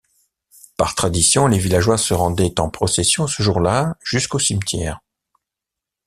Par tradition, les villageois se rendaient en procession ce jour là jusqu'au cimetière.